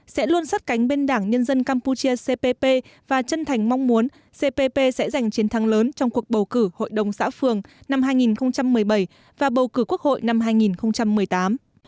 sẽ luôn sát cánh bên đảng nhân dân campuchia cpp và chân thành mong muốn cpp sẽ giành chiến thắng lớn trong cuộc bầu cử hội đồng xã phường năm hai nghìn một mươi bảy và bầu cử quốc hội năm hai nghìn một mươi tám